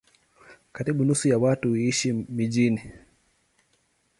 Karibu nusu ya watu huishi mijini.